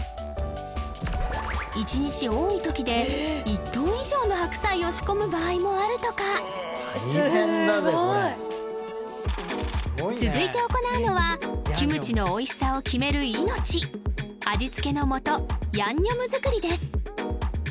１日多いときで１トン以上の白菜を仕込む場合もあるとか続いて行うのはキムチのおいしさを決める命味付けの素ヤンニョム作りです